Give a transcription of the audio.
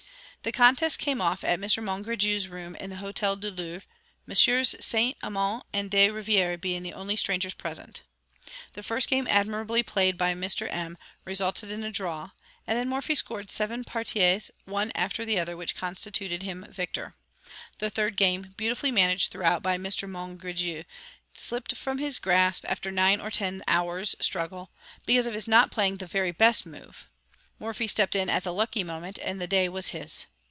The contest came off at Mr. Mongredieu's rooms in the Hotel du Louvre, Messrs. St. Amant and De Rivière being the only strangers present. The first game admirably played by Mr. M. resulted in a draw, and then Morphy scored seven parties one after the other, which constituted him victor. The third game, beautifully managed throughout by Mr. Mongredieu, slipped from his grasp after nine or ten hours' struggle; because of his not playing the very best move, Morphy stepped in at the lucky moment and the day was his.